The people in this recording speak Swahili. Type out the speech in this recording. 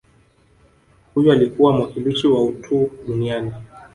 Huyu alikuwa mwakilishi wa utu duniani